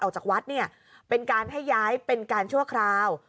ออกจากวัดเนี่ยเป็นการให้ย้ายเป็นการชั่วคราว